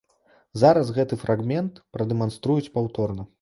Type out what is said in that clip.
Зараз гэты фрагмент прадэманструюць паўторна.